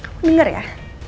kamu denger ya